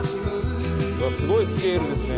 うわすごいスケールですね